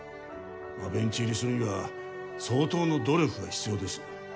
まあベンチ入りするには相当の努力が必要です